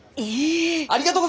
ありがとうございます！